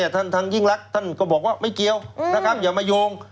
ทางยิ่งรักท่านก็บอกว่าไม่เกี่ยวนะครับอย่ามาโยง